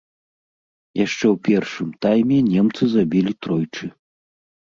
Яшчэ ў першым тайме немцы забілі тройчы.